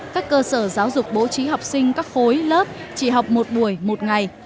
các cơ sở giáo dục bố trí học sinh các khối lớp chỉ học một buổi một ngày